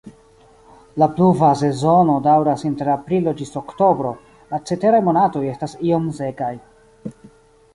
La pluva sezono daŭras inter aprilo ĝis oktobro, la ceteraj monatoj estas iom sekaj.